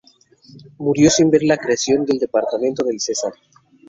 Murió sin ver la creación del departamento del Cesar.